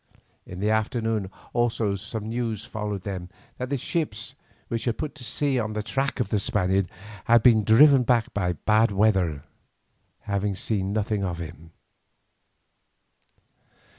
In the afternoon also news followed them that the ships which had put to sea on the track of the Spaniard had been driven back by bad weather, having seen nothing of him.